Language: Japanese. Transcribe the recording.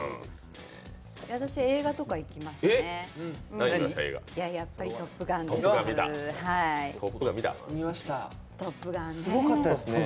私、映画とか行きましたね。